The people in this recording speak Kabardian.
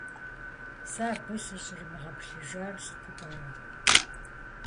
Сэ абы сыщӀримыгъэплъыжар сыту пӀэрэ?